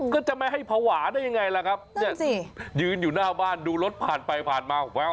ก็จะไม่ให้ภาวะได้ยังไงล่ะครับเนี่ยยืนอยู่หน้าบ้านดูรถผ่านไปผ่านมาแวว